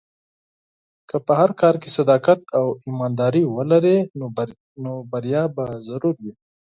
که په هر کار کې صداقت او ایمانداري ولرې، نو بریا به ضرور وي.